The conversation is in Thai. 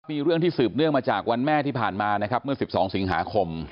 มีเรื่องที่สืบเนื่องมาจากวันแม่ที่ผ่านมานะครับเมื่อ๑๒สิงหาคม